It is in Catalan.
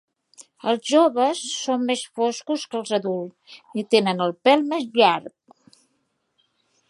Els joves són més foscos que els adults i tenen el pèl més llarg.